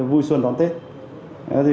vui xuân đón tết